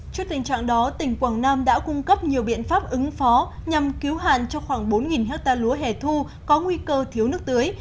trước tình trạng đó tỉnh quảng nam đã cung cấp nhiều biện pháp ứng phó nhằm cứu hạn cho khoảng bốn hectare lúa hẻ thu có nguy cơ thiếu nước tưới